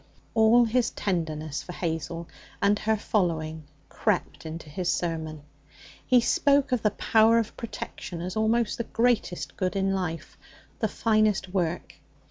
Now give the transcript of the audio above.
All his tenderness for Hazel and her following crept into his sermon. He spoke of the power of protection as almost the greatest good in life, the finest work.